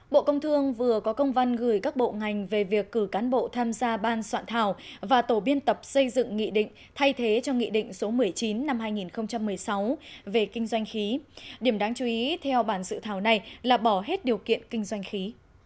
bộ công thương vừa có công văn gửi các bộ ngành về việc cử cán bộ tham gia ban soạn thảo và tổ biên tập xây dựng nghị định thay thế cho nghị định số một mươi chín năm hai nghìn một mươi sáu về kinh doanh khí điểm đáng chú ý theo bản dự thảo này là bỏ hết điều kiện kinh doanh khí